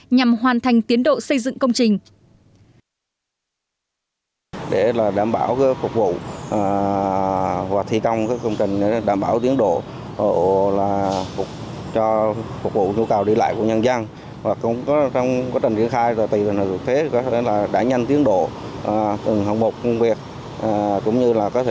nhằm hoàn thành tiến độ xây dựng công trình